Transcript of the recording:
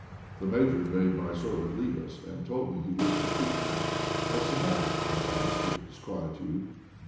The Major bade my servant leave us, and told me he wished to speak to me. "What's the matter?" I asked, with disquietude.